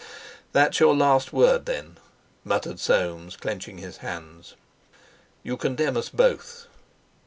"That's your last word, then," muttered Soames, clenching his hands; "you condemn us both."